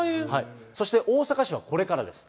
そして大阪市はこれからです。